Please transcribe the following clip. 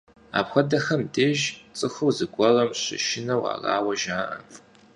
Апхуэдэхэм деж цӀыхур зыгуэрым щышынэу арауэ жаӀэ.